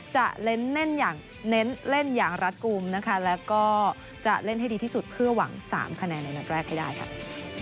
จะเล่นเล่นอย่างรัฐกลุ่มและก็จะเล่นให้ดีที่สุดเพื่อหวัง๓คะแนนในนัดแรกให้ได้